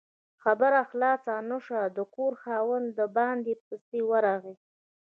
خبره خلاصه نه شوه، د کور خاوند د باندې پسې ورغی